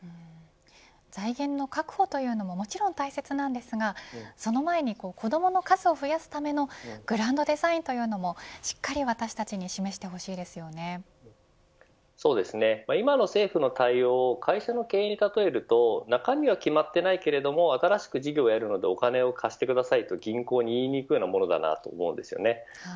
財源の確保というのももちろん大切なんですがその前に子どもの数を増やすためのグランドデザインというのも、しっかり私たちに今の政府の対応を会社の経営に例えると中身は決まってないが新しく事業をやるのでお金を貸してくださいと銀行に言いに行くようなものです。